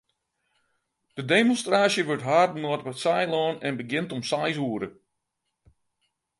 De demonstraasje wurdt hâlden op it Saailân en begjint om seis oere.